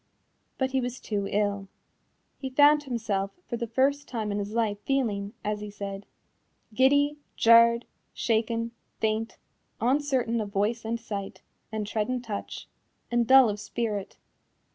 But he was too ill. He found himself for the first time in his life feeling, as he said, "giddy, jarred, shaken, faint, uncertain of voice and sight, and tread and touch, and dull of spirit."